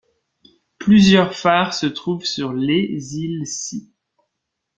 Plusieurs phares se trouvent sur les îles Cies.